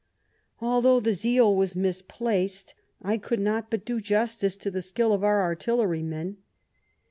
Although the zeal was misplaced, I could not but do justice to the skill of our artillerymen.